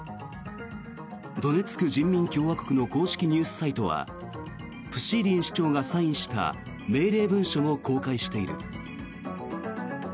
ドネツク人民共和国の公式ニュースサイトはプシーリン首長がサインした命令文書を公開している。